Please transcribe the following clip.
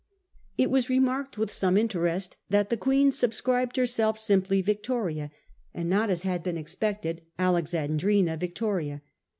It was remarked with some interest that the Queen subscribed herself simply ' Victoria,' and not, as had been expected, ' Alexandrina Victoria.